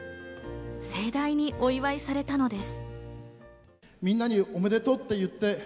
盛大にお祝いされたのです。